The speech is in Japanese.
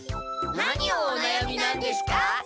何をおなやみなんですか？